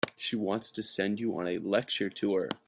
She wants to send you on a lecture tour.